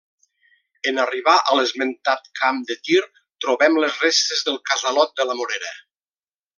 En arribar a l'esmentat camp de tir trobem les restes del casalot de la Morera.